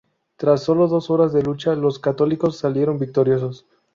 Tras sólo dos horas de lucha los católicos salieron victoriosos.